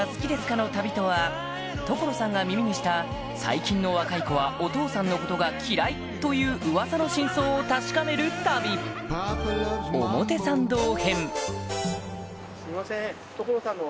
の旅とは所さんが耳にした最近の若い子はお父さんのことが嫌いといううわさの真相を確かめる旅へぇ！